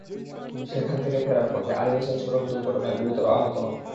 সেখান থেকে ফেরার পথে আলী হোসেন সড়ক দুর্ঘটনায় গুরুতর আহত হন।